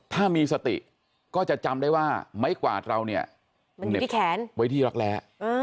ถ้ามีสติก็จะจำได้ว่าไม้กวาดเราเนี่ยมันเหน็บที่แขนไว้ที่รักแร้